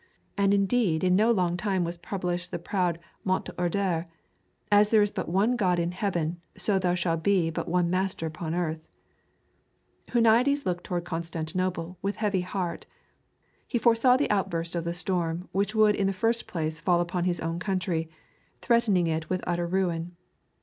And indeed in no long time was published the proud mot d'ordre "As there is but one God in heaven, so there shall be but one master upon earth." Huniades looked toward Constantinople with heavy heart. He foresaw the outburst of the storm which would in the first place fall upon his own country, threatening it with utter ruin.